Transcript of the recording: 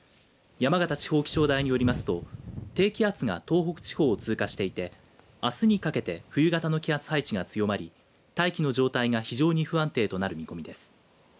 山形地方気象台によりますと低気圧が東北地方を通過していてあすにかけて冬型の気圧配置が強まり大気の状態が非常に不安定となる見込みです。